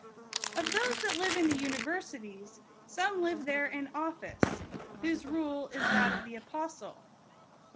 Of those that live in the universities, some live there in office ; whose rule is that of the apostle (Rom.